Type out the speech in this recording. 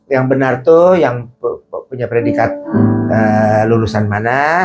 yang benar tuh yang punya predikat lulusan mana